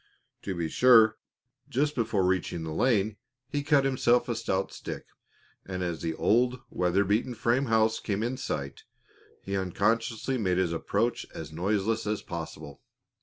To be sure, just before reaching the lane he cut himself a stout stick, and as the old, weather beaten frame house came in sight he unconsciously made his approach as noiseless as possible.